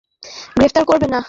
আমাদের ভাইকে গ্রেফতার করবেন না!